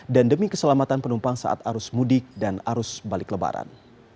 dan demi keselamatan penumpang saat arus mudik dan arus balik lebaran